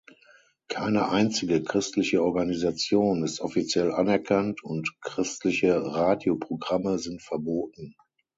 Keine einzige christliche Organisation ist offiziell anerkannt und christliche Radioprogramme sind verboten.